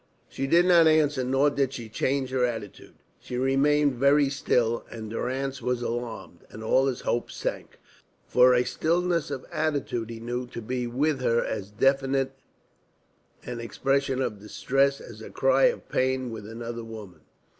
She did not answer nor did she change her attitude. She remained very still, and Durrance was alarmed, and all his hopes sank. For a stillness of attitude he knew to be with her as definite an expression of distress as a cry of pain with another woman.